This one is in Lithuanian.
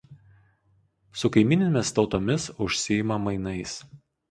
Su kaimyninėmis tautomis užsiima mainais.